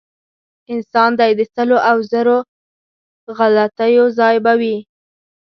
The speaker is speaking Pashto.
انسان دی د سلو او زرو غلطیو ځای به وي.